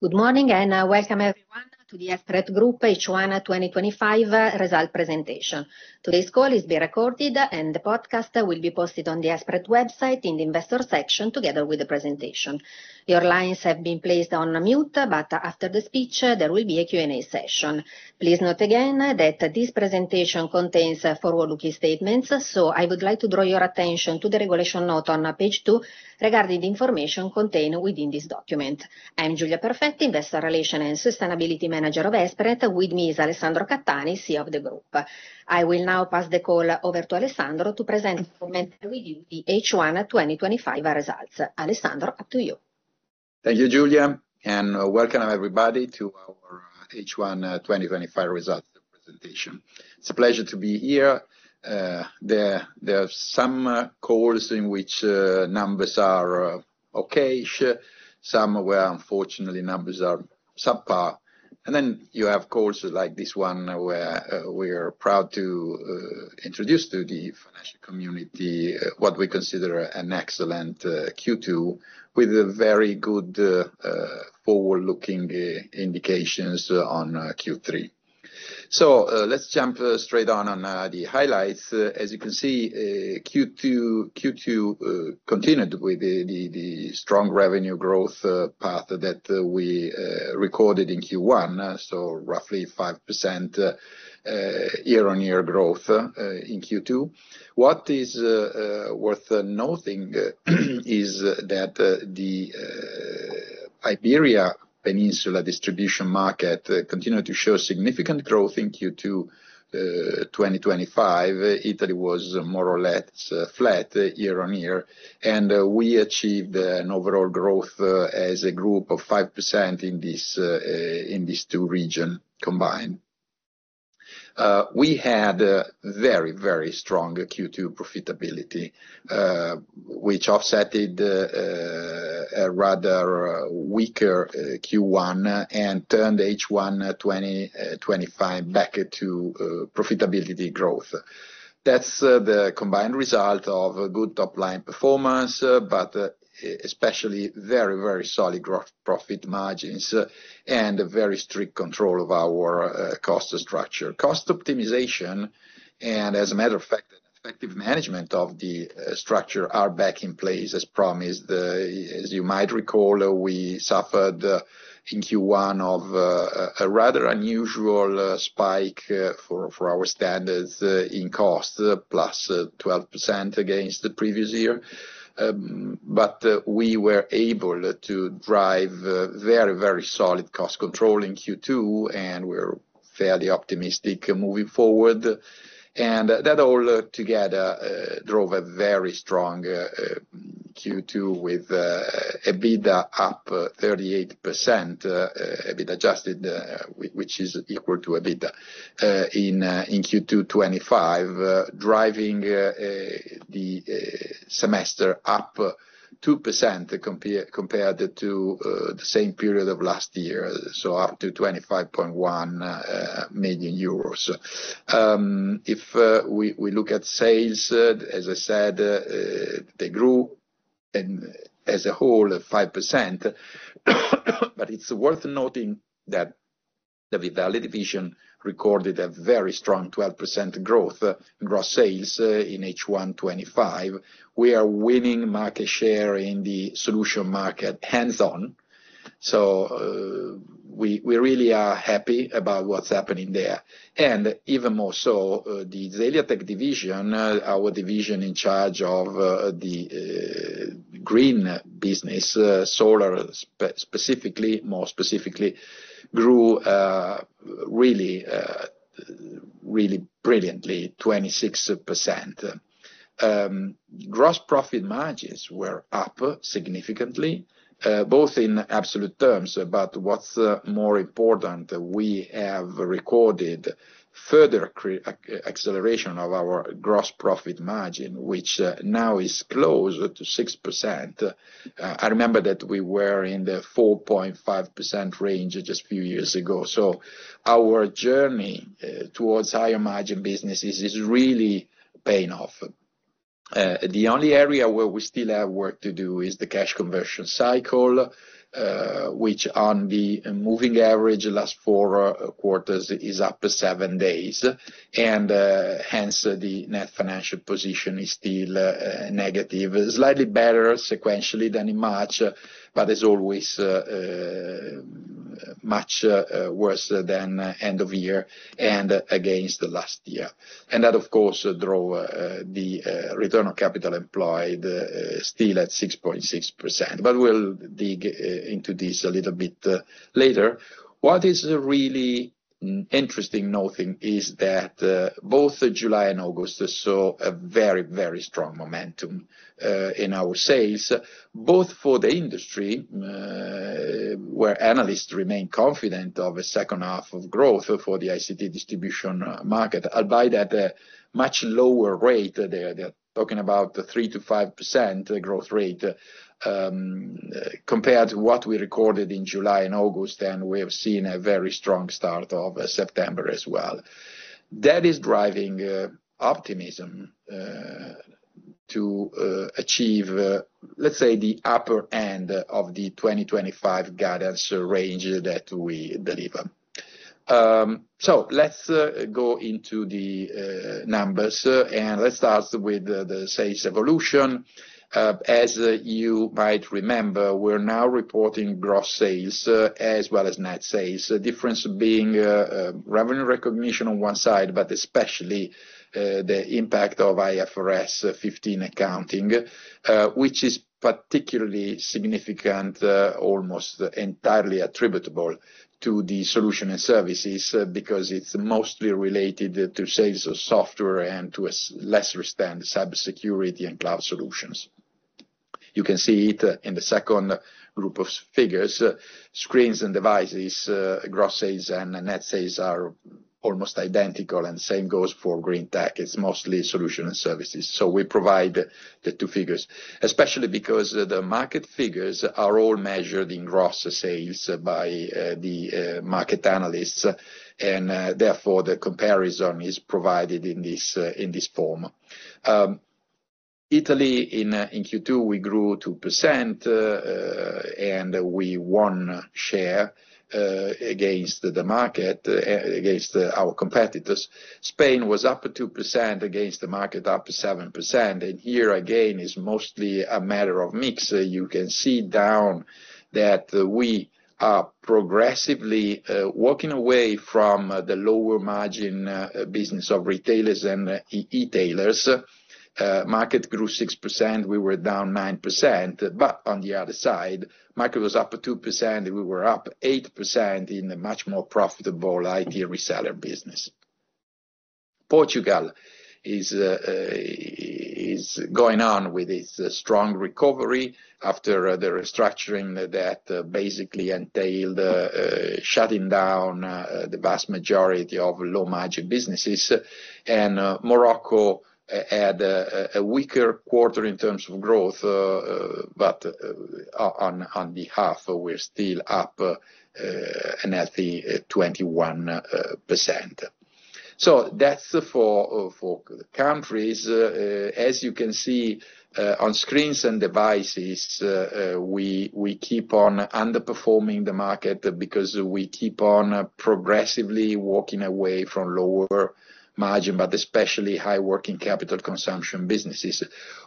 Good morning and welcome everyone to the Esprinet Group H1 2025 results presentation. Today's call is being recorded, and the podcast will be posted on the Esprinet website in the investor section together with the presentation. Your lines have been placed on mute, but after the speech, there will be a Q&A session. Please note again that this presentation contains forward-looking statements, so I would like to draw your attention to the regulatory note on page two regarding the information contained within this document. I'm Giulia Perfetti, Investor Relations and Sustainability Manager of Esprinet. With me is Alessandro Cattani, CEO of the group. I will now pass the call over to Alessandro to present to you the H1 2025 results. Alessandro, over to you. Thank you, Giulia, and welcome everybody to our H1 2025 results presentation. It's a pleasure to be here. There are some calls in which numbers are okay, some where unfortunately numbers are subpar, and then you have calls like this one where we are proud to introduce to the financial community what we consider an excellent Q2 with very good forward-looking indications on Q3, so let's jump straight on the highlights. As you can see, Q2 continued with the strong revenue growth path that we recorded in Q1, so roughly 5% year-on-year growth in Q2. What is worth noting is that the Iberian Peninsula distribution market continued to show significant growth in Q2 2025. Italy was more or less flat year-on-year, and we achieved an overall growth as a group of 5% in these two regions combined. We had very, very strong Q2 profitability, which offset a rather weaker Q1 and turned H1 2025 back to profitability growth. That's the combined result of good top-line performance, but especially very, very solid profit margins and very strict control of our cost structure. Cost optimization and, as a matter of fact, effective management of the structure are back in place as promised. As you might recall, we suffered in Q1 of a rather unusual spike for our standards in cost, plus 12% against the previous year. But we were able to drive very, very solid cost control in Q2, and we're fairly optimistic moving forward. And that all together drove a very strong Q2 with EBITDA up 38%, EBITDA adjusted, which is equal to EBITDA in Q2 2025, driving the semester up 2% compared to the same period of last year, so up to 25.1 million euros. If we look at sales, as I said, they grew as a whole 5%, but it's worth noting that the V-Valley division recorded a very strong 12% growth in gross sales in H1 2025. We are winning market share in the solution market hands-on, so we really are happy about what's happening there. And even more so, the Zeliatech division, our division in charge of the green business, solar specifically, more specifically, grew really, really brilliantly, 26%. Gross profit margins were up significantly, both in absolute terms, but what's more important, we have recorded further acceleration of our gross profit margin, which now is close to 6%. I remember that we were in the 4.5% range just a few years ago. So our journey towards higher margin businesses is really paying off. The only area where we still have work to do is the cash conversion cycle, which on the moving average last four quarters is up seven days, and hence the net financial position is still negative, slightly better sequentially than in March, but as always much worse than end of year and against last year, and that, of course, drove the return on capital employed still at 6.6%, but we'll dig into this a little bit later. What is really interesting noting is that both July and August saw a very, very strong momentum in our sales, both for the industry where analysts remain confident of a second half of growth for the ICT distribution market, albeit at a much lower rate. They're talking about 3%-5% growth rate compared to what we recorded in July and August, and we have seen a very strong start of September as well. That is driving optimism to achieve, let's say, the upper end of the 2025 guidance range that we deliver. So let's go into the numbers and let's start with the sales evolution. As you might remember, we're now reporting gross sales as well as net sales, difference being revenue recognition on one side, but especially the impact of IFRS 15 accounting, which is particularly significant, almost entirely attributable to the solution and services because it's mostly related to sales of software and to a lesser extent cybersecurity and cloud solutions. You can see it in the second group of figures, screens and devices, gross sales and net sales are almost identical, and same goes for green tech. It's mostly solution and services, so we provide the two figures, especially because the market figures are all measured in gross sales by the market analysts, and therefore the comparison is provided in this form. Italy in Q2, we grew 2% and we won share against the market, against our competitors. Spain was up 2% against the market, up 7%, and here again is mostly a matter of mix. You can see down that we are progressively walking away from the lower margin business of retailers and e-tailers. Market grew 6%. We were down 9%, but on the other side, market was up 2%. We were up 8% in the much more profitable IT reseller business. Portugal is going on with its strong recovery after the restructuring that basically entailed shutting down the vast majority of low margin businesses. Morocco had a weaker quarter in terms of growth, but on the half, we're still up a healthy 21%. That's for the countries. As you can see on screens and devices, we keep on underperforming the market because we keep on progressively walking away from lower margin, but especially high working capital consumption businesses.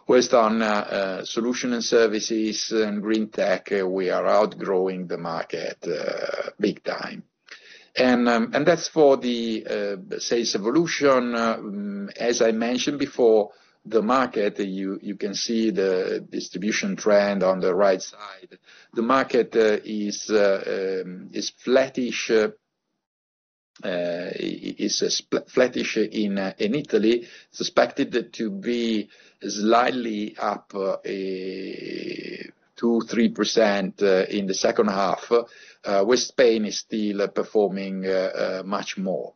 Whereas on solution and services and green tech, we are outgrowing the market big time. That's for the sales evolution. As I mentioned before, the market, you can see the distribution trend on the right side. The market is flattish in Italy, suspected to be slightly up 2%-3% in the second half, where Spain is still performing much more.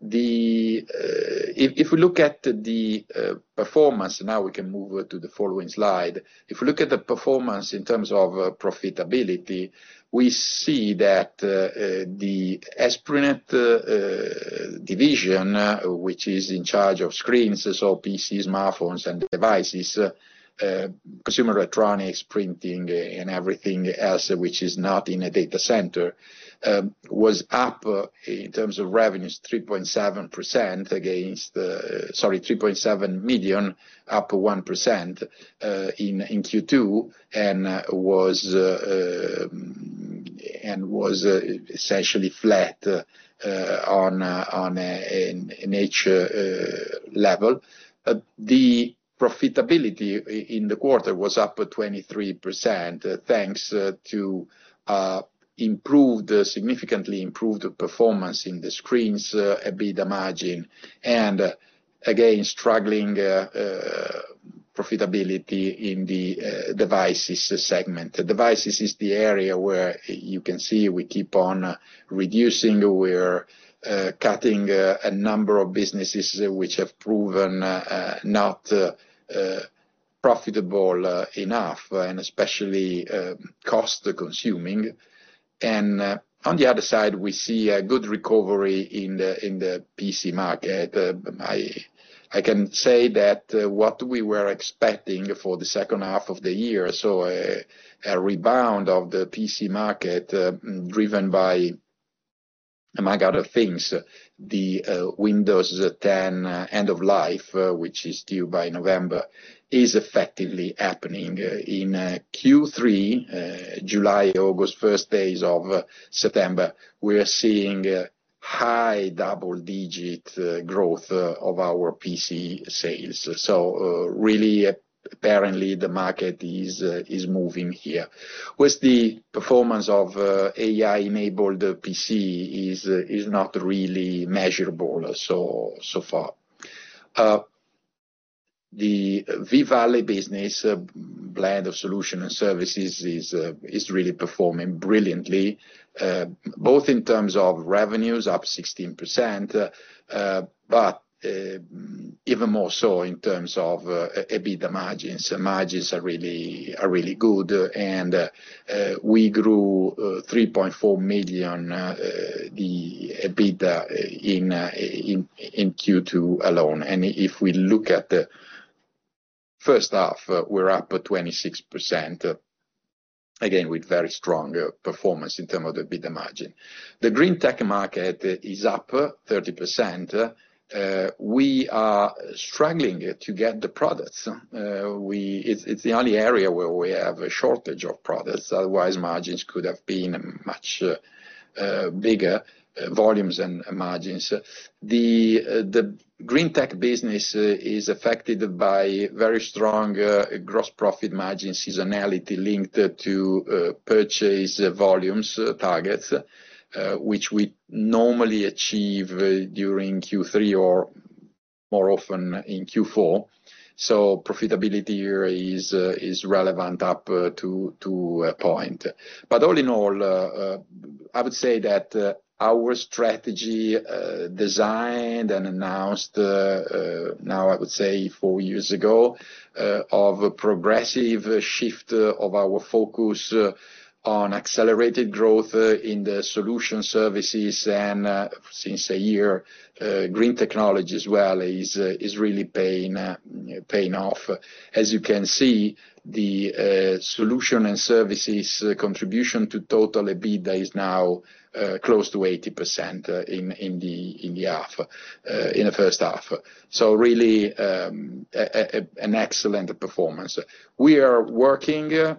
If we look at the performance, now we can move to the following slide. If we look at the performance in terms of profitability, we see that the Esprinet division, which is in charge of screens, so PCs, smartphones, and devices, consumer electronics, printing, and everything else which is not in a data center, was up in terms of revenues 3.7% against, sorry, 3.7 million, up 1% in Q2 and was essentially flat on an H1 level. The profitability in the quarter was up 23% thanks to significantly improved performance in the screens, EBITDA margin, and again, struggling profitability in the devices segment. Devices is the area where you can see we keep on reducing. We're cutting a number of businesses which have proven not profitable enough and especially cost-consuming. And on the other side, we see a good recovery in the PC market. I can say that what we were expecting for the second half of the year, so a rebound of the PC market driven by, among other things, the Windows 10 end of life, which is due by November, is effectively happening. In Q3, July, August, first days of September, we are seeing high double-digit growth of our PC sales. So really, apparently, the market is moving here, whereas the performance of AI-enabled PC is not really measurable so far. The V-Valley business, blend of solution and services, is really performing brilliantly, both in terms of revenues, up 16%, but even more so in terms of EBITDA margins. Margins are really good, and we grew 3.4 million EBITDA in Q2 alone. And if we look at first half, we're up 26%, again, with very strong performance in terms of EBITDA margin. The green tech market is up 30%. We are struggling to get the products. It's the only area where we have a shortage of products. Otherwise, margins could have been much bigger, volumes and margins. The green tech business is affected by very strong gross profit margin seasonality linked to purchase volumes targets, which we normally achieve during Q3 or more often in Q4. So profitability here is relevant up to a point. But all in all, I would say that our strategy designed and announced now, I would say, four years ago of a progressive shift of our focus on accelerated growth in the solution services and since a year, green technology as well is really paying off. As you can see, the solution and services contribution to total EBITDA is now close to 80% in the half, in the first half. So really an excellent performance. We are working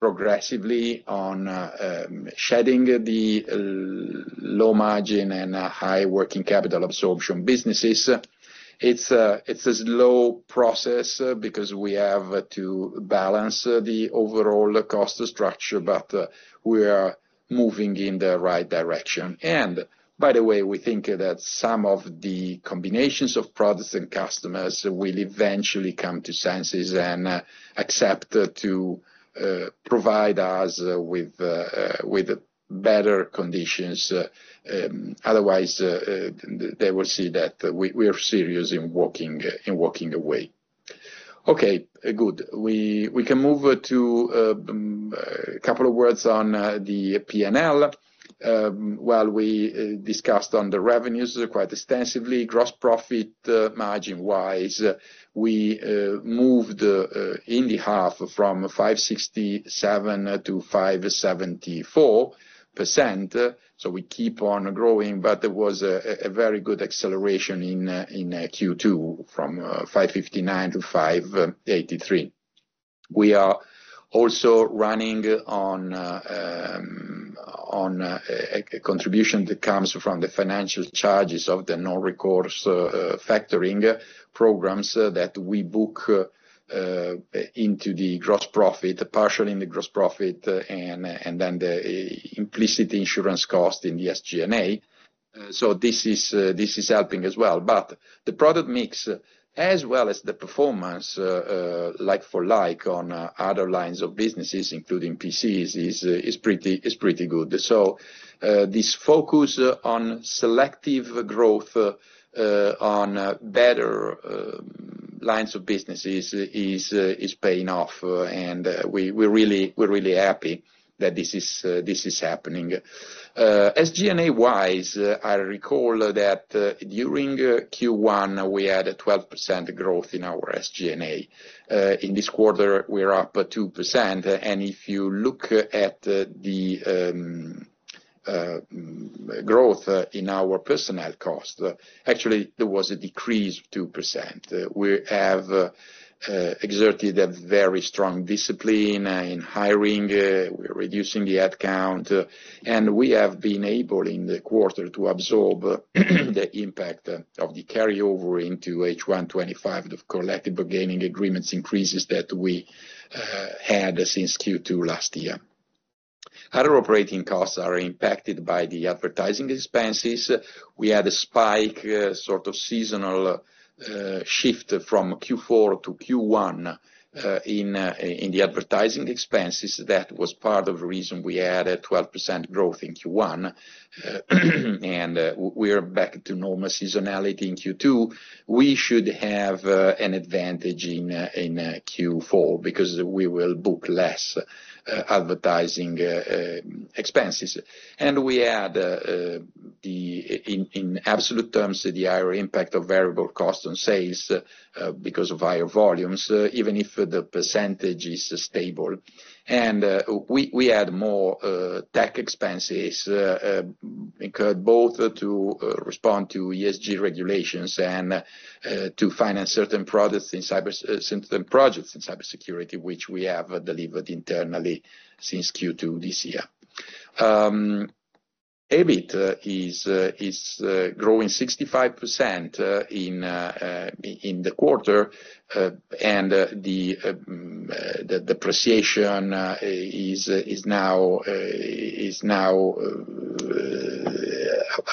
progressively on shedding the low margin and high working capital absorption businesses. It's a slow process because we have to balance the overall cost structure, but we are moving in the right direction. And by the way, we think that some of the combinations of products and customers will eventually come to senses and accept to provide us with better conditions. Otherwise, they will see that we are serious in walking away. Okay, good. We can move to a couple of words on the P&L. Well, we discussed on the revenues quite extensively. Gross profit margin-wise, we moved in the half from 5.67%-5.74%. So we keep on growing, but there was a very good acceleration in Q2 from 5.59%-5.83%. We are also running on a contribution that comes from the financial charges of the non-recourse factoring programs that we book into the gross profit, partially in the gross profit, and then the implicit insurance cost in the SG&A, so this is helping as well, but the product mix, as well as the performance like for like on other lines of businesses, including PCs, is pretty good, so this focus on selective growth on better lines of businesses is paying off, and we're really happy that this is happening. SG&A-wise, I recall that during Q1, we had a 12% growth in our SG&A. In this quarter, we're up 2%, and if you look at the growth in our personnel cost, actually, there was a decrease of 2%. We have exerted a very strong discipline in hiring. We're reducing the headcount, and we have been able in the quarter to absorb the impact of the carryover into H1 2025, the collective bargaining agreements increases that we had since Q2 last year. Other operating costs are impacted by the advertising expenses. We had a spike sort of seasonal shift from Q4 to Q1 in the advertising expenses. That was part of the reason we had a 12% growth in Q1, and we are back to normal seasonality in Q2. We should have an advantage in Q4 because we will book less advertising expenses, and we add, in absolute terms, the higher impact of variable cost on sales because of higher volumes, even if the percentage is stable, and we add more tech expenses both to respond to ESG regulations and to finance certain projects in cybersecurity, which we have delivered internally since Q2 this year. EBIT is growing 65% in the quarter, and the depreciation is now a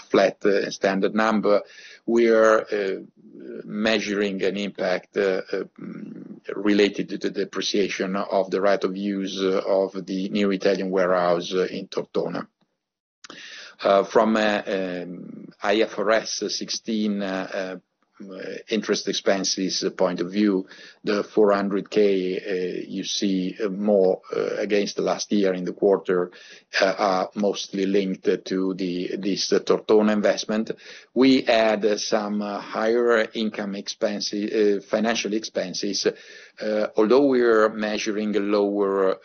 flat standard number. We are measuring an impact related to the depreciation of the right of use of the new Italian warehouse in Tortona. From an IFRS 16 interest expenses point of view, the 400K you see more against the last year in the quarter are mostly linked to this Tortona investment. We add some higher income financial expenses. Although we are measuring lower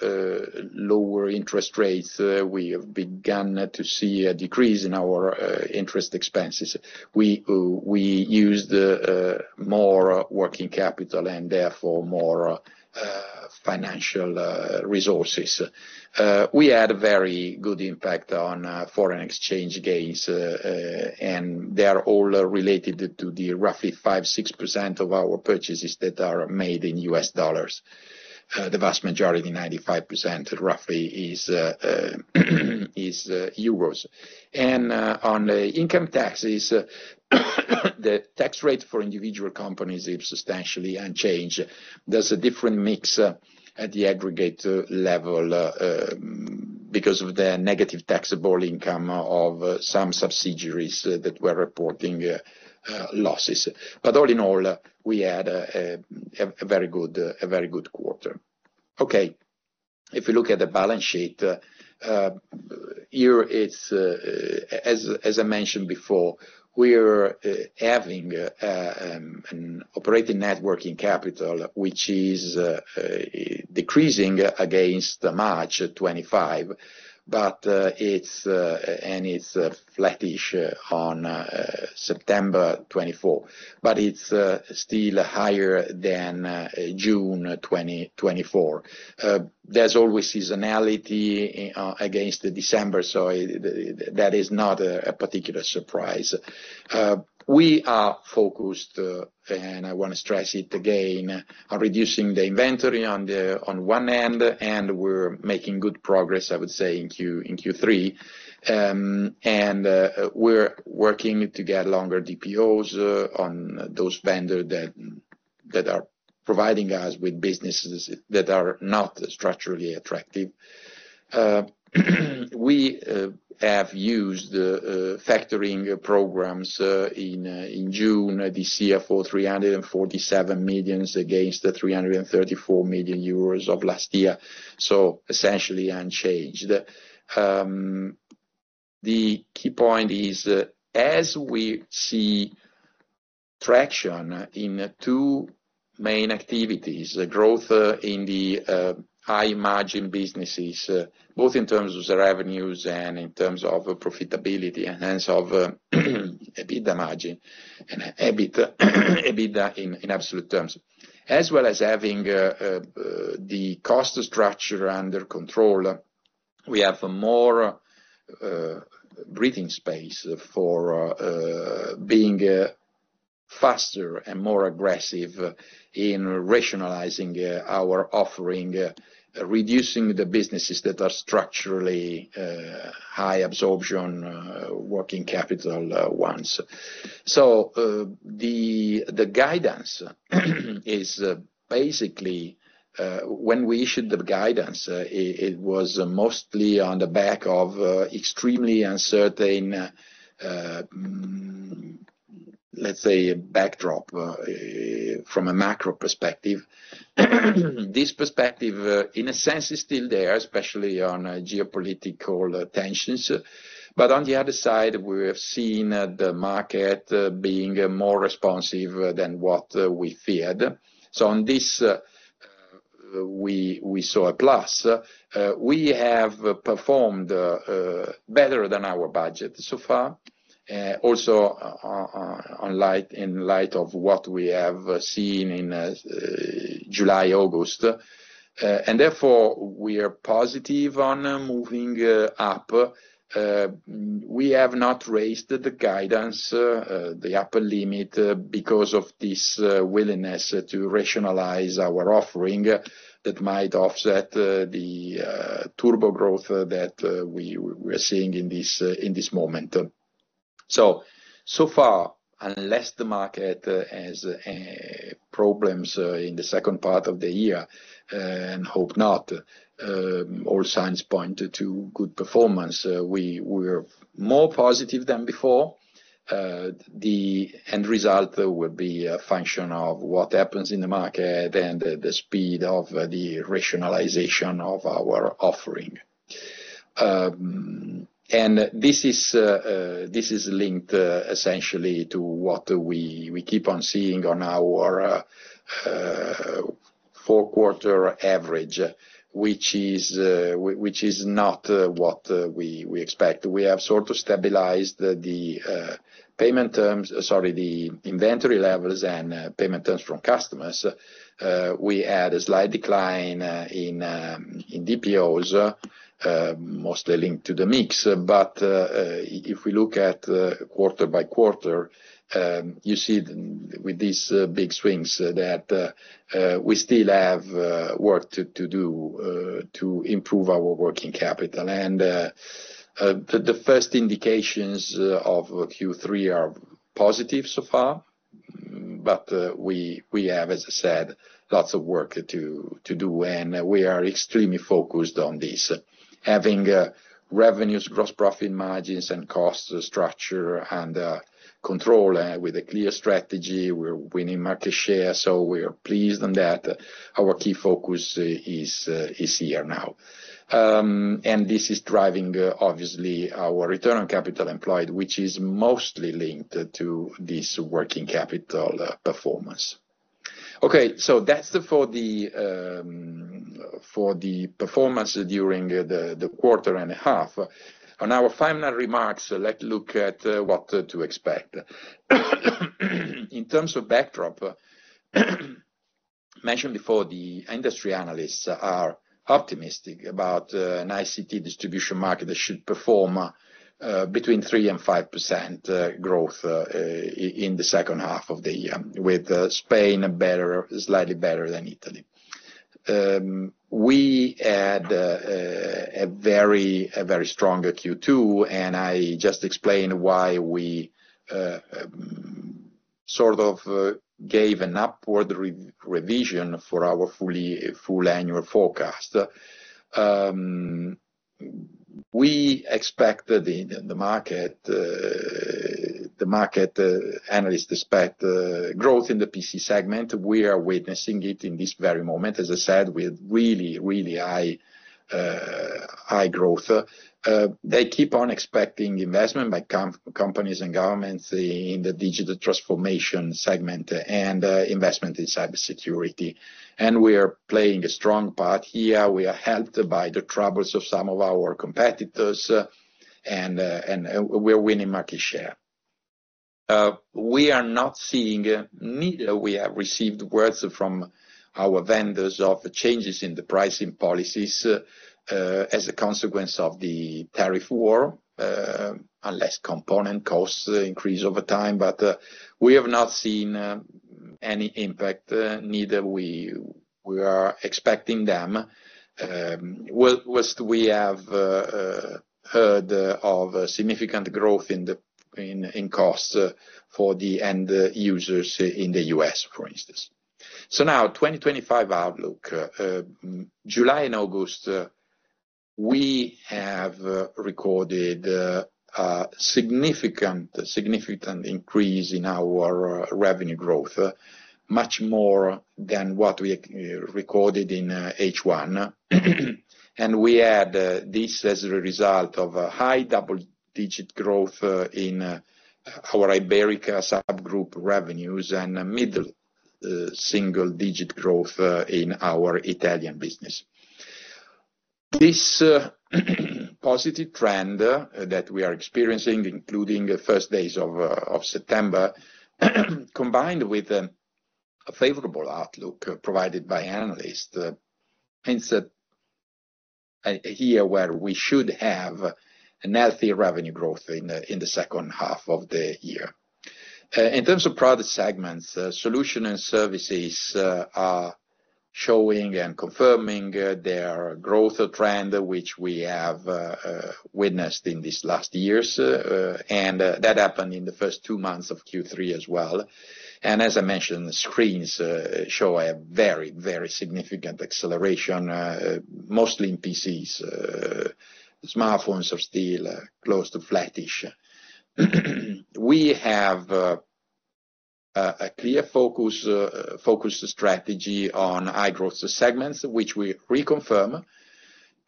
interest rates, we have begun to see a decrease in our interest expenses. We used more working capital and therefore more financial resources. We had a very good impact on foreign exchange gains, and they are all related to the roughly 5%-6% of our purchases that are made in U.S. dollars. The vast majority, 95% roughly, is euros. On the income taxes, the tax rate for individual companies is substantially unchanged. There's a different mix at the aggregate level because of the negative taxable income of some subsidiaries that were reporting losses, but all in all, we had a very good quarter. Okay, if we look at the balance sheet here, as I mentioned before, we are having an operating net working capital which is decreasing against March 2025, and it's flattish on September 2024, but it's still higher than June 2024. There's always seasonality against December, so that is not a particular surprise. We are focused, and I want to stress it again, on reducing the inventory on one end, and we're making good progress, I would say, in Q3, and we're working to get longer DPOs on those vendors that are providing us with businesses that are not structurally attractive. We have used factoring programs in June this year for 347 million against the 334 million euros of last year, so essentially unchanged. The key point is, as we see traction in two main activities, growth in the high margin businesses, both in terms of the revenues and in terms of profitability and hence of EBITDA margin and EBITDA in absolute terms, as well as having the cost structure under control, we have more breathing space for being faster and more aggressive in rationalizing our offering, reducing the businesses that are structurally high absorption working capital ones. So the guidance is basically, when we issued the guidance, it was mostly on the back of extremely uncertain, let's say, backdrop from a macro perspective. This perspective, in a sense, is still there, especially on geopolitical tensions. But on the other side, we have seen the market being more responsive than what we feared. So on this, we saw a plus. We have performed better than our budget so far, also in light of what we have seen in July-August. And therefore, we are positive on moving up. We have not raised the guidance, the upper limit, because of this willingness to rationalize our offering that might offset the turbo growth that we are seeing in this moment. So far, unless the market has problems in the second part of the year, and hope not, all signs point to good performance. We are more positive than before. The end result will be a function of what happens in the market and the speed of the rationalization of our offering. This is linked essentially to what we keep on seeing on our four-quarter average, which is not what we expect. We have sort of stabilized the payment terms, sorry, the inventory levels and payment terms from customers. We had a slight decline in DPOs, mostly linked to the mix. If we look at quarter by quarter, you see with these big swings that we still have work to do to improve our working capital. The first indications of Q3 are positive so far, but we have, as I said, lots of work to do, and we are extremely focused on this. Having revenues, gross profit margins, and cost structure and control with a clear strategy, we're winning market share, so we are pleased on that. Our key focus is here now. This is driving, obviously, our return on capital employed, which is mostly linked to this working capital performance. Okay, so that's for the performance during the quarter and a half. On our final remarks, let's look at what to expect. In terms of backdrop, I mentioned before the industry analysts are optimistic about an ICT distribution market that should perform between 3% and 5% growth in the second half of the year, with Spain slightly better than Italy. We had a very strong Q2, and I just explained why we sort of gave an upward revision for our full annual forecast. We expect the market analysts to expect growth in the PC segment. We are witnessing it in this very moment, as I said, with really, really high growth. They keep on expecting investment by companies and governments in the digital transformation segment and investment in cybersecurity. We are playing a strong part here. We are helped by the troubles of some of our competitors, and we are winning market share. We are not seeing neither. We have received words from our vendors of changes in the pricing policies as a consequence of the tariff war, unless component costs increase over time, but we have not seen any impact neither. We are expecting them. We have heard of significant growth in costs for the end users in the U.S., for instance. Now, 2025 outlook, July and August, we have recorded a significant increase in our revenue growth, much more than what we recorded in H1. We had this as a result of high double-digit growth in our Iberia subgroup revenues and middle single-digit growth in our Italian business. This positive trend that we are experiencing, including the first days of September, combined with a favorable outlook provided by analysts, means that here where we should have a healthy revenue growth in the second half of the year. In terms of product segments, solution and services are showing and confirming their growth trend, which we have witnessed in these last years, and that happened in the first two months of Q3 as well, and as I mentioned, the screens show a very, very significant acceleration, mostly in PCs. Smartphones are still close to flattish. We have a clear focused strategy on high-growth segments, which we reconfirm.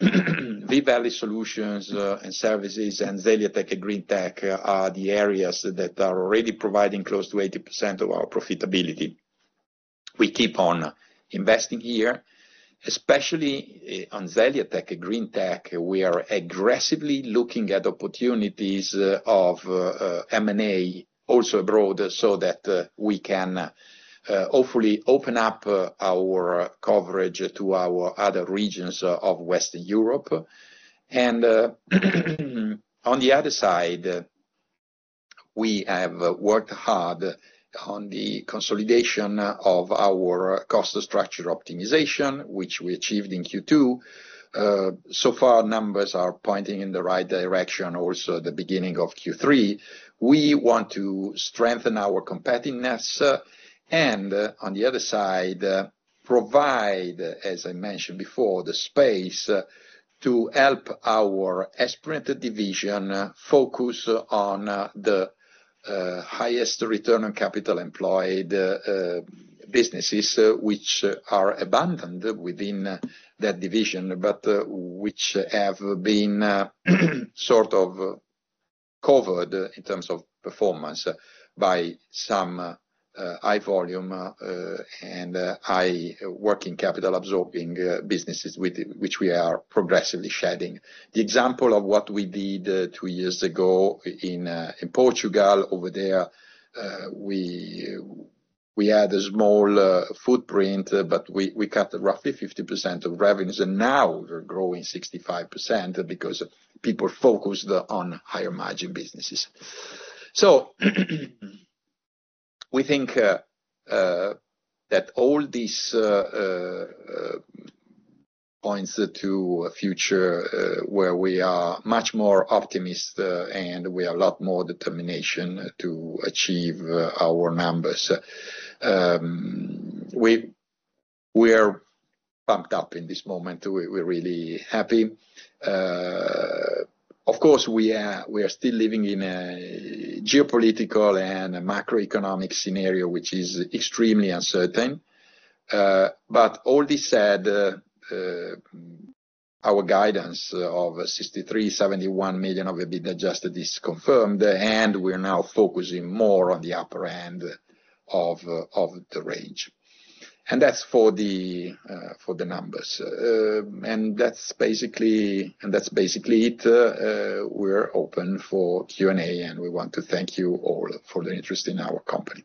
V-Valley Solutions and Services and Zeliatech and green tech are the areas that are already providing close to 80% of our profitability. We keep on investing here. Especially on Zeliatech and green tech, we are aggressively looking at opportunities of M&A also abroad so that we can hopefully open up our coverage to our other regions of Western Europe. And on the other side, we have worked hard on the consolidation of our cost structure optimization, which we achieved in Q2. So far, numbers are pointing in the right direction, also the beginning of Q3. We want to strengthen our competitiveness and, on the other side, provide, as I mentioned before, the space to help our V-Valley division focus on the highest return on capital employed businesses, which are embedded within that division, but which have been sort of covered in terms of performance by some high-volume and high-working-capital-absorbing businesses, which we are progressively shedding. The example of what we did two years ago in Portugal, over there, we had a small footprint, but we cut roughly 50% of revenues, and now we're growing 65% because people focused on higher margin businesses. So we think that all these points to future where we are much more optimistic and we have a lot more determination to achieve our numbers. We are pumped up in this moment. We're really happy. Of course, we are still living in a geopolitical and macroeconomic scenario, which is extremely uncertain. But all this said, our guidance of 63 million-71 million of EBITDA adjusted is confirmed, and we're now focusing more on the upper end of the range. And that's for the numbers. And that's basically it. We're open for Q&A, and we want to thank you all for the interest in our company.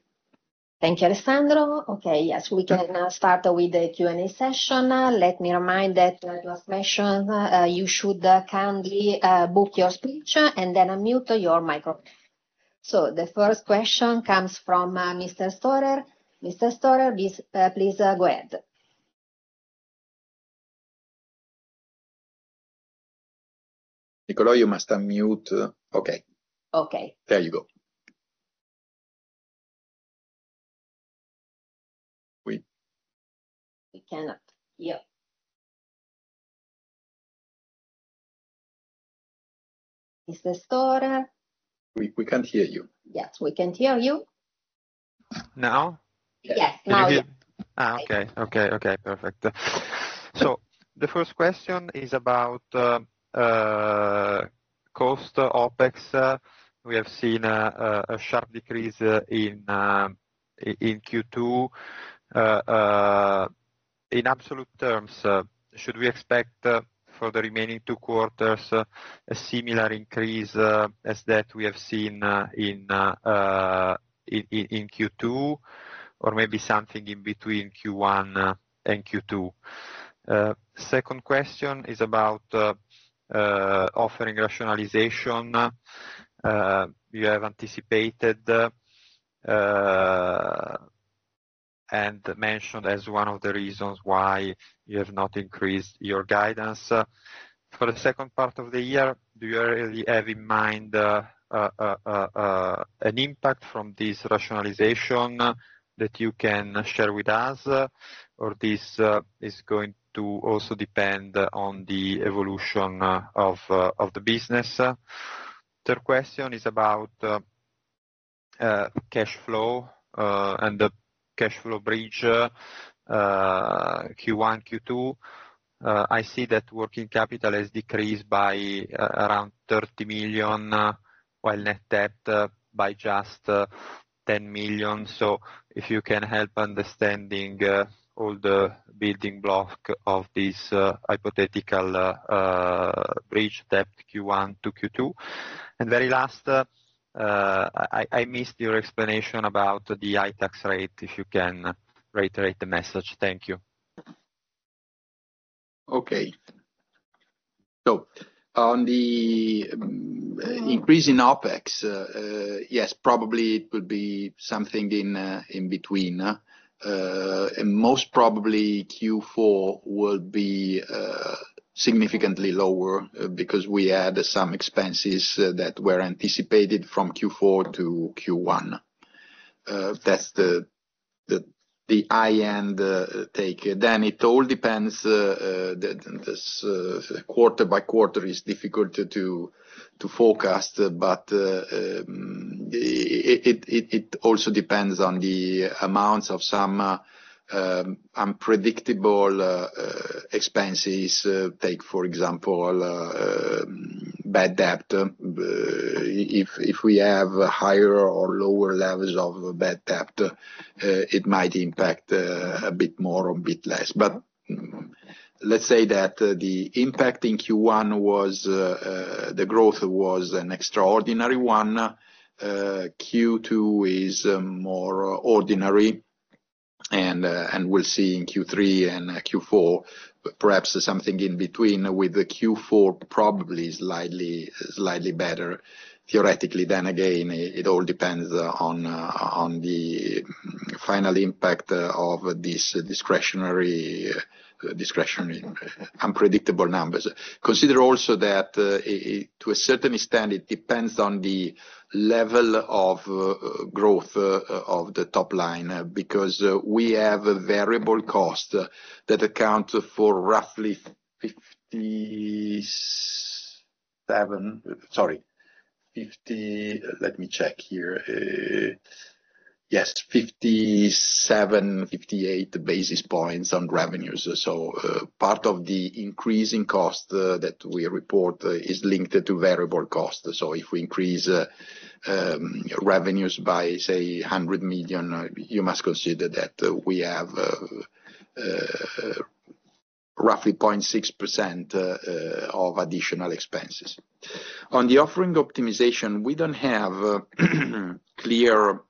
Thank you, Alessandro. Okay, yes, we can now start with the Q&A session. Let me remind that, as I mentioned, you should kindly book your speech and then unmute your microphone. So the first question comes from Mr. Storer. Mr. Storer, please go ahead. Niccolò, you must unmute. Okay. There you go. We cannot. Yeah. Mr. Storer. We can't hear you. Yes, we can hear you. Now? Yes, now. Okay. Perfect. So the first question is about cost OPEX. We have seen a sharp decrease in Q2. In absolute terms, should we expect for the remaining two quarters a similar increase as that we have seen in Q2, or maybe something in between Q1 and Q2? Second question is about offering rationalization. You have anticipated and mentioned as one of the reasons why you have not increased your guidance for the second part of the year. Do you have in mind an impact from this rationalization that you can share with us, or this is going to also depend on the evolution of the business? Third question is about cash flow and the cash flow bridge Q1, Q2. I see that working capital has decreased by around 30 million, while net debt by just 10 million. So if you can help understanding all the building block of this hypothetical bridge debt Q1 to Q2. And very last, I missed your explanation about the high tax rate. If you can reiterate the message. Thank you. Okay. So on the increase in OPEX, yes, probably it would be something in between, and most probably Q4 will be significantly lower because we had some expenses that were anticipated from Q4 to Q1. That's the high-end take. Then it all depends. Quarter by quarter is difficult to forecast, but it also depends on the amounts of some unpredictable expenses. Take, for example, bad debt. If we have higher or lower levels of bad debt, it might impact a bit more or a bit less, but let's say that the impact in Q1 was the growth an extraordinary one. Q2 is more ordinary, and we'll see in Q3 and Q4, perhaps something in between, with Q4 probably slightly better theoretically, then again, it all depends on the final impact of these discretionary unpredictable numbers. Consider also that to a certain extent, it depends on the level of growth of the top line because we have variable costs that account for roughly 57, sorry, 50, let me check here. Yes, 57, 58 basis points on revenues, so part of the increasing cost that we report is linked to variable costs. So if we increase revenues by, say, 100 million, you must consider that we have roughly 0.6% of additional expenses. On the offering optimization, we don't have a clear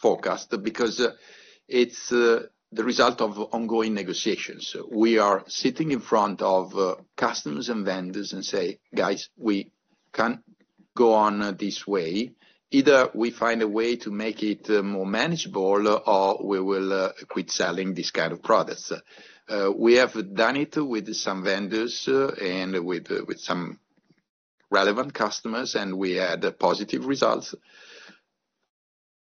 forecast because it's the result of ongoing negotiations. We are sitting in front of customers and vendors and say, "Guys, we can't go on this way. Either we find a way to make it more manageable, or we will quit selling this kind of products." We have done it with some vendors and with some relevant customers, and we had positive results.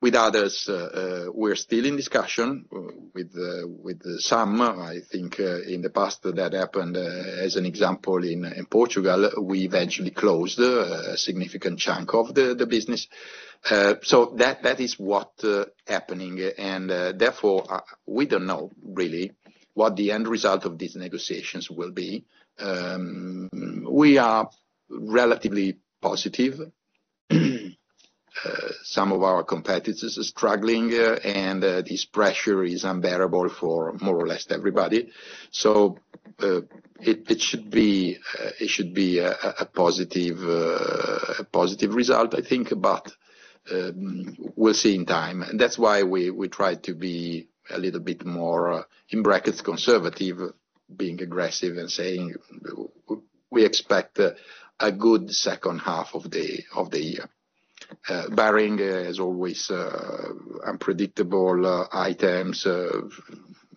With others, we're still in discussion with some. I think in the past that happened as an example in Portugal, we eventually closed a significant chunk of the business. So that is what's happening. And therefore, we don't know really what the end result of these negotiations will be. We are relatively positive. Some of our competitors are struggling, and this pressure is unbearable for more or less everybody. So it should be a positive result, I think, but we'll see in time. And that's why we try to be a little bit more, in brackets, conservative, being aggressive and saying we expect a good second half of the year. But there are always unpredictable items,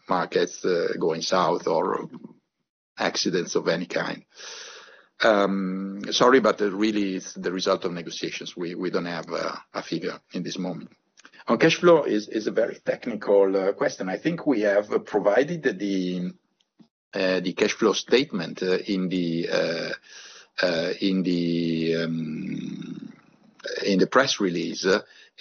markets going south, or accidents of any kind. Sorry, but really, it's the result of negotiations. We don't have a figure in this moment. On cash flow, it's a very technical question. I think we have provided the cash flow statement in the press release,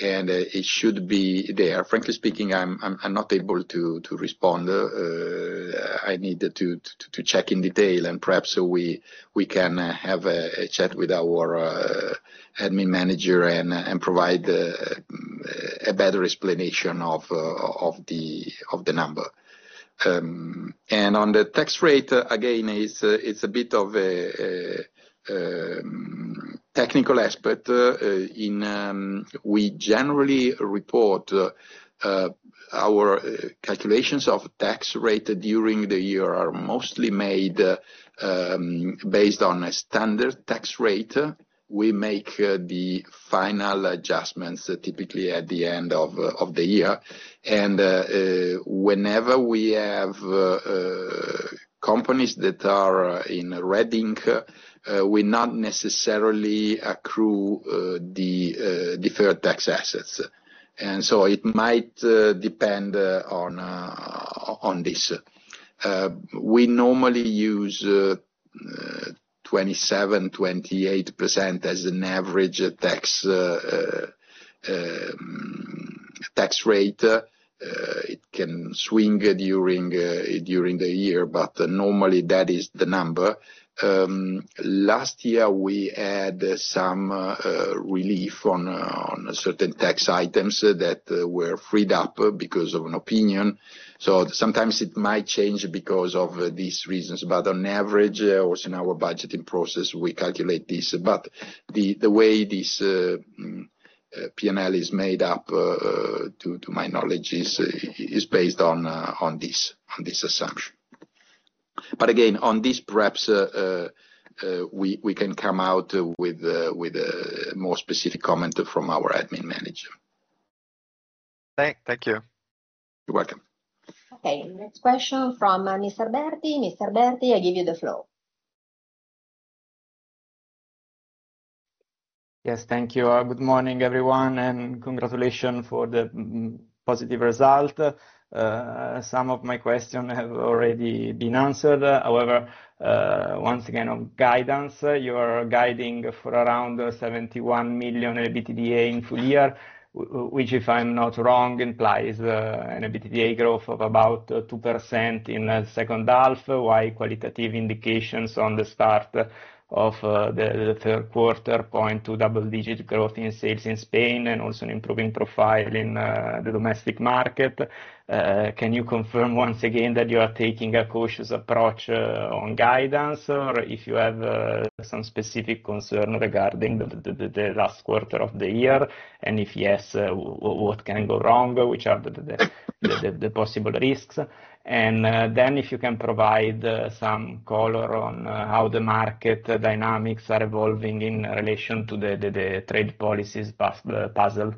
and it should be there. Frankly speaking, I'm not able to respond. I need to check in detail, and perhaps we can have a chat with our admin manager and provide a better explanation of the number. On the tax rate, again, it's a bit of a technical aspect. We generally report our calculations of tax rate during the year are mostly made based on a standard tax rate. We make the final adjustments typically at the end of the year. Whenever we have companies that are in red ink, we not necessarily accrue the deferred tax assets. It might depend on this. We normally use 27%-28% as an average tax rate. It can swing during the year, but normally that is the number. Last year, we had some relief on certain tax items that were freed up because of an opinion. Sometimes it might change because of these reasons. On average, also in our budgeting process, we calculate this. The way this P&L is made up, to my knowledge, is based on this assumption. But again, on this, perhaps we can come out with a more specific comment from our admin manager. Thank you. You're welcome. Okay. Next question from Mr. Berti. Mr. Berti, I give you the floor. Yes, thank you. Good morning, everyone, and congratulations for the positive result. Some of my questions have already been answered. However, once again, on guidance, you are guiding for around 71 million EBITDA in full year, which, if I'm not wrong, implies an EBITDA growth of about 2% in the second half, while qualitative indications on the start of the third quarter point to double-digit growth in sales in Spain and also an improving profile in the domestic market. Can you confirm once again that you are taking a cautious approach on guidance, or if you have some specific concern regarding the last quarter of the year? And if yes, what can go wrong? Which are the possible risks? And then if you can provide some color on how the market dynamics are evolving in relation to the trade policies puzzle.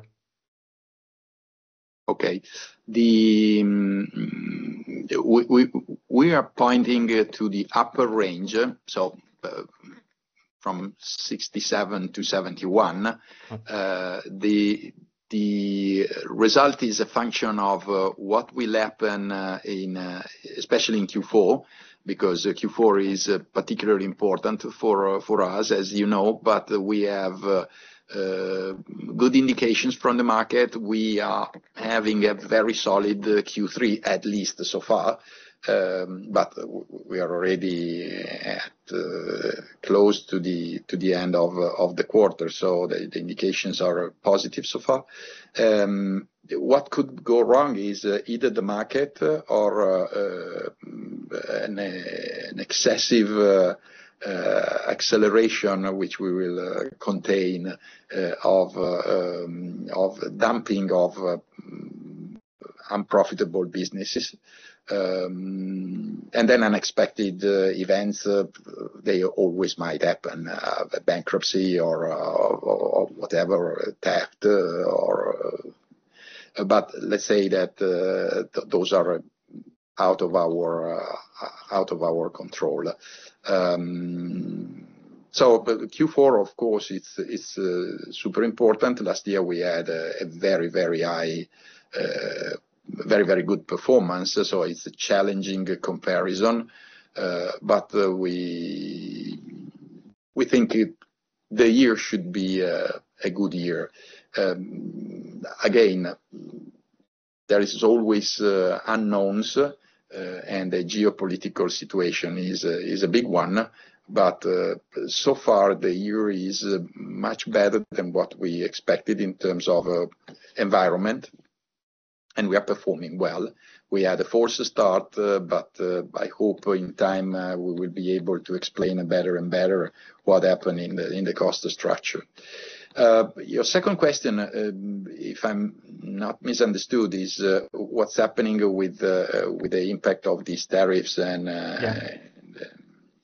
Okay. We are pointing to the upper range, so 67-71. The result is a function of what will happen, especially in Q4, because Q4 is particularly important for us, as you know, but we have good indications from the market. We are having a very solid Q3, at least so far. But we are already close to the end of the quarter, so the indications are positive so far. What could go wrong is either the market or an excessive acceleration, which we will contain, of dumping of unprofitable businesses. And then unexpected events, they always might happen, bankruptcy or whatever, theft. But let's say that those are out of our control. So Q4, of course, it's super important. Last year, we had a very, very high, very, very good performance. So it's a challenging comparison. But we think the year should be a good year. Again, there are always unknowns, and the geopolitical situation is a big one. But so far, the year is much better than what we expected in terms of environment, and we are performing well. We had a forced start, but I hope in time we will be able to explain better and better what happened in the cost structure. Your second question, if I'm not misunderstood, is what's happening with the impact of these tariffs and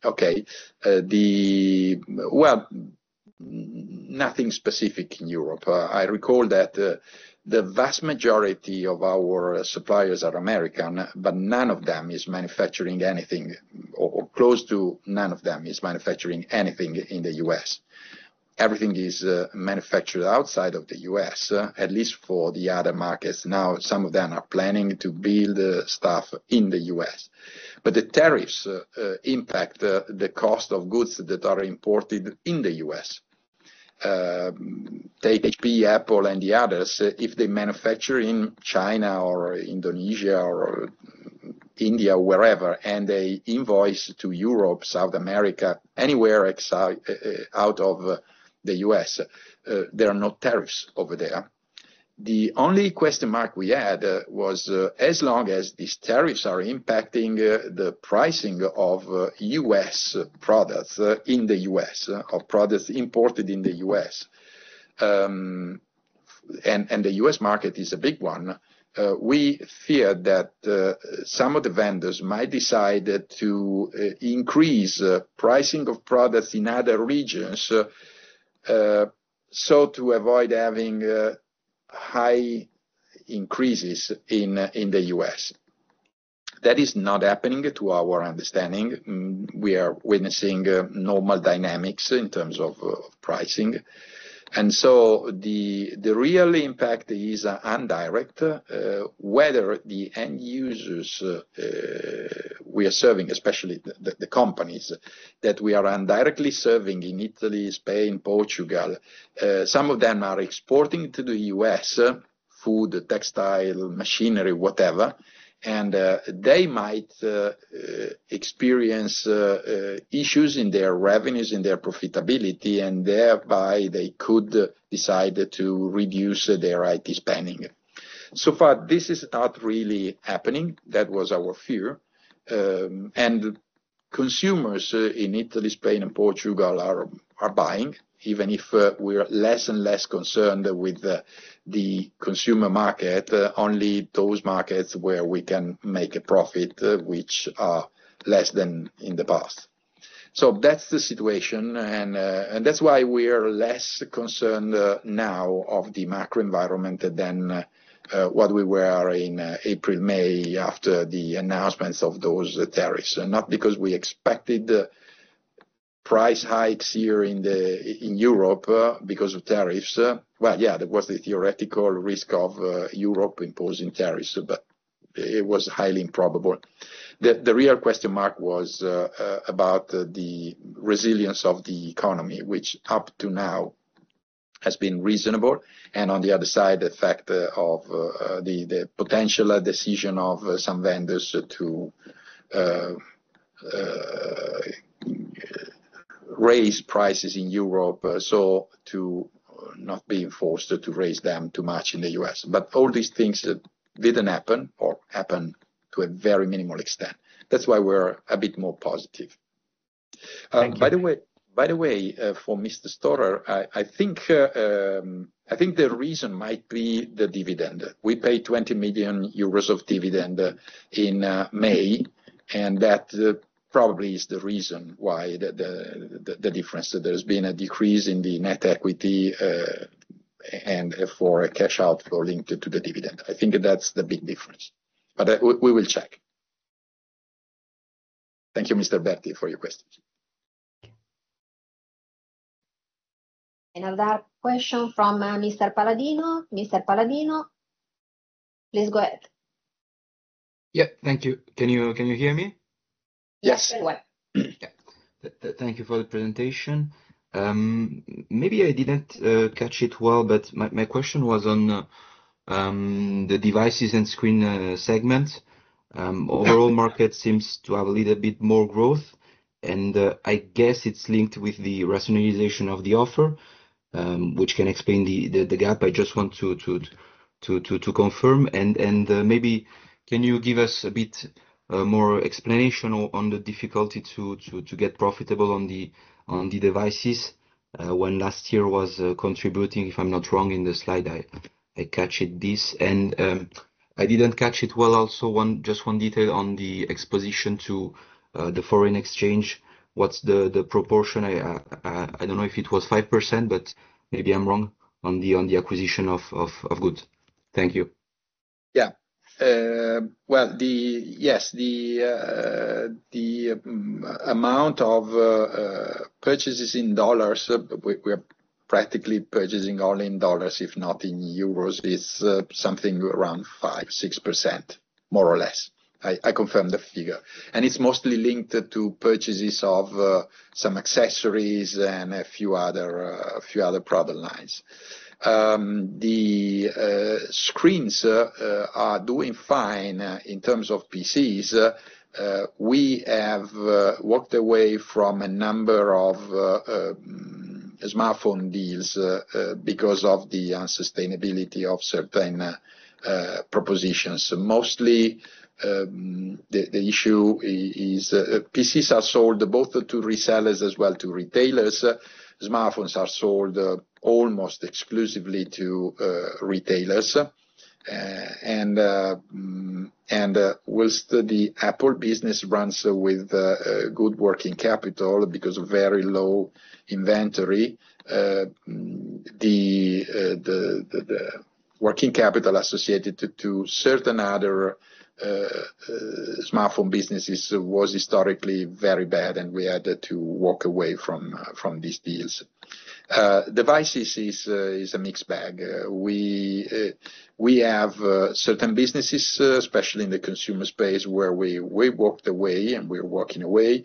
okay, well, nothing specific in Europe. I recall that the vast majority of our suppliers are American, but none of them is manufacturing anything, or close to none of them is manufacturing anything in the U.S. Everything is manufactured outside of the U.S., at least for the other markets. Now, some of them are planning to build stuff in the U.S. But the tariffs impact the cost of goods that are imported in the U.S. Take HP, Apple, and the others. If they manufacture in China or Indonesia or India, wherever, and they invoice to Europe, South America, anywhere out of the U.S., there are no tariffs over there. The only question mark we had was, as long as these tariffs are impacting the pricing of U.S. products in the U.S., of products imported in the U.S., and the U.S. market is a big one, we fear that some of the vendors might decide to increase pricing of products in other regions to avoid having high increases in the U.S. That is not happening to our understanding. We are witnessing normal dynamics in terms of pricing. And so the real impact is indirect. Whether the end users we are serving, especially the companies that we are indirectly serving in Italy, Spain, Portugal, some of them are exporting to the U.S., food, textile, machinery, whatever, and they might experience issues in their revenues, in their profitability, and thereby they could decide to reduce their IT spending. So far, this is not really happening. That was our fear. And consumers in Italy, Spain, and Portugal are buying, even if we're less and less concerned with the consumer market, only those markets where we can make a profit, which are less than in the past. So that's the situation. And that's why we are less concerned now of the macro environment than what we were in April, May after the announcements of those tariffs. Not because we expected price hikes here in Europe because of tariffs. Yeah, there was the theoretical risk of Europe imposing tariffs, but it was highly improbable. The real question mark was about the resilience of the economy, which up to now has been reasonable. On the other side, the fact of the potential decision of some vendors to raise prices in Europe so to not be forced to raise them too much in the U.S. All these things didn't happen or happen to a very minimal extent. That's why we're a bit more positive. Thank you. By the way, for Mr. Storer, I think the reason might be the dividend. We paid 20 million euros of dividend in May, and that probably is the reason why the difference. There has been a decrease in the net equity and for a cash outflow linked to the dividend. I think that's the big difference. We will check. Thank you, Mr. Berti, for your questions. Okay. Another question from Mr. Paladino. Mr. Paladino, please go ahead. Yeah. Thank you. Can you hear me? Yes. Yes. Thank you for the presentation. Maybe I didn't catch it well, but my question was on the devices and screens segment. Overall, the market seems to have a little bit more growth, and I guess it's linked with the rationalization of the offer, which can explain the gap. I just want to confirm. And maybe can you give us a bit more explanation on the difficulty to get profitable on the devices when last year was contributing, if I'm not wrong, in the slide? And I didn't catch it well. Also, just one detail on the exposure to the foreign exchange. What's the proportion? I don't know if it was 5%, but maybe I'm wrong on the acquisition of goods. Thank you. Yeah. Well, yes, the amount of purchases in dollars, we are practically purchasing only in dollars, if not in euros. It's something around 5%-6%, more or less. I confirm the figure. And it's mostly linked to purchases of some accessories and a few other product lines. The screens are doing fine in terms of PCs. We have walked away from a number of smartphone deals because of the unsustainability of certain propositions. Mostly, the issue is PCs are sold both to resellers as well as to retailers. Smartphones are sold almost exclusively to retailers. While the Apple business runs with good working capital because of very low inventory, the working capital associated to certain other smartphone businesses was historically very bad, and we had to walk away from these deals. Devices is a mixed bag. We have certain businesses, especially in the consumer space, where we walked away, and we're walking away.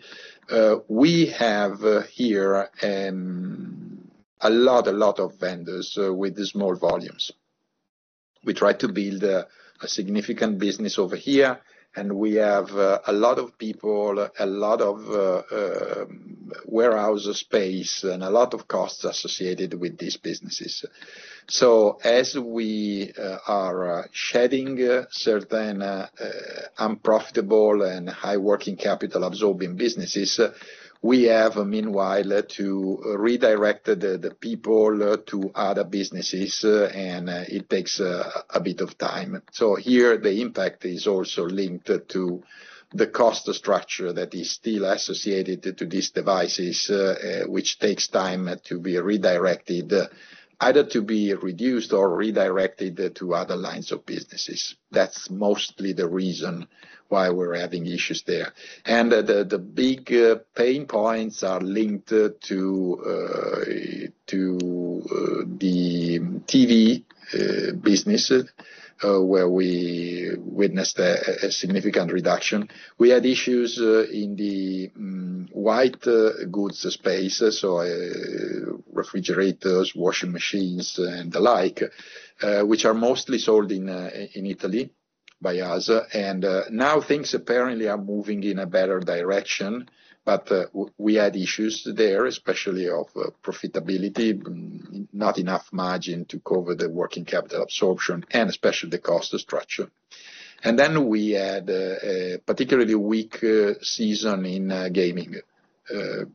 We have here a lot of vendors with small volumes. We tried to build a significant business over here, and we have a lot of people, a lot of warehouse space, and a lot of costs associated with these businesses. So as we are shedding certain unprofitable and high working capital absorbing businesses, we have a meanwhile to redirect the people to other businesses, and it takes a bit of time. So here, the impact is also linked to the cost structure that is still associated to these devices, which takes time to be redirected, either to be reduced or redirected to other lines of businesses. That's mostly the reason why we're having issues there. And the big pain points are linked to the TV business, where we witnessed a significant reduction. We had issues in the white goods space, so refrigerators, washing machines, and the like, which are mostly sold in Italy by us. And now things apparently are moving in a better direction, but we had issues there, especially of profitability, not enough margin to cover the working capital absorption, and especially the cost structure. And then we had a particularly weak season in gaming.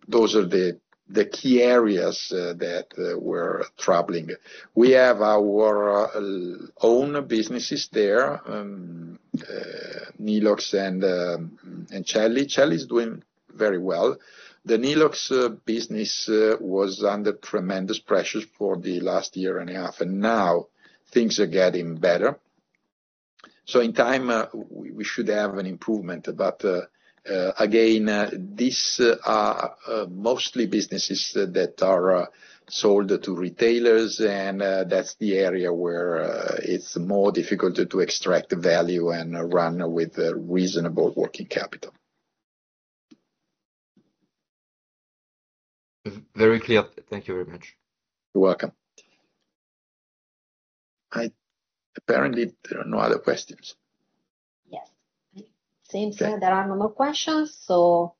Those are the key areas that were troubling. We have our own businesses there, Nilox and Celly. Celly is doing very well. The Nilox business was under tremendous pressure for the last year and a half, and now things are getting better. So in time, we should have an improvement. But again, these are mostly businesses that are sold to retailers, and that's the area where it's more difficult to extract value and run with reasonable working capital. Very clear. Thank you very much. You're welcome. Apparently, there are no other questions. Yes. I think there are no more questions, so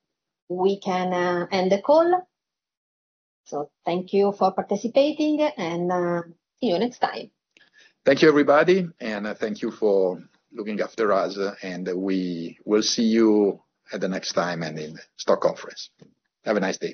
we can end the call. So thank you for participating, and see you next time. Thank you, everybody, and thank you for looking after us. And we will see you at the next time and in STAR Conference. Have a nice day.